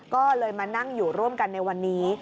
ก็เลยมานั่งอยู่ร่วมกันในวันนี้